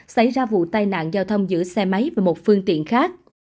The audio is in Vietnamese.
xảy ra vụ tai nạn giao thông giữa xe máy và một phương tiện khác